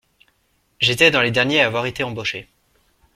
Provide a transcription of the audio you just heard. J’étais dans les derniers à avoir été embauché.